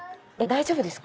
大丈夫です。